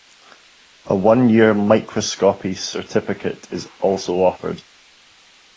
A one-year Microscopy Certificate is also offered.